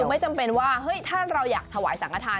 คือไม่จำเป็นว่าถ้าเราอยากถวายสังขทาน